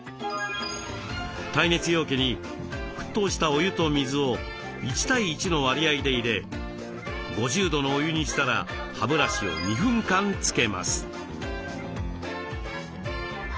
耐熱容器に沸騰したお湯と水を１対１の割合で入れ５０度のお湯にしたら歯ブラシを２分間つけます。